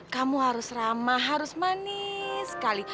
kamu harus ramah harus manis sekali